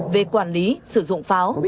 về quản lý sử dụng pháo